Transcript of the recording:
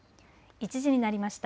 １時になりました。